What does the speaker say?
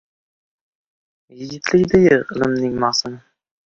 Yigitlikda yig‘ ilmning maxzani.